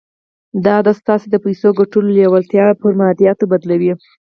دا عادت ستاسې د پيسو ګټلو لېوالتیا پر ماديياتو بدلوي.